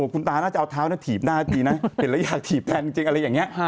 คุณตาน่าจะเอาเท้าถีบหน้าทีนะเห็นแล้วอยากถีบแทนจริงอะไรอย่างนี้